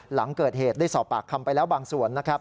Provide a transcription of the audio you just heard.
หลังเกิดเหตุได้สอบปากคำไปแล้วบางส่วนนะครับ